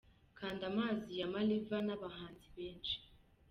Kanda Amazi ya Ma-Riva n’abahanzi benshi:.